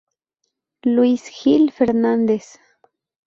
Luis Gil Fernández